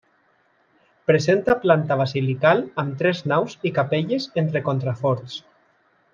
Presenta planta basilical amb tres naus i capelles entre contraforts.